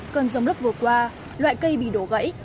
cần dòng lốc vừa qua loại cây bị đổ gãy